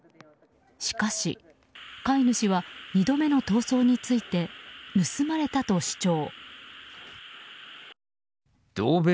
しかし、飼い主は２度目の逃走について盗まれたと主張。